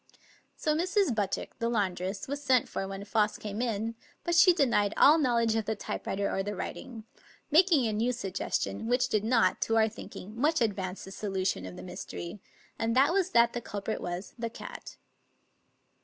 So Mrs. Buttick, the laundress, was sent for when Foss came in; but she denied all knowledge of the typewriter or the writing, making a new suggestion, which did not, to our thinking, much advance the solution of the mystery, and that was that the culprit was the cat.